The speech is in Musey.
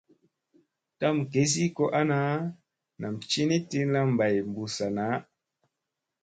Tam gesi ko ana nam cini tilla bay ɓussa naa.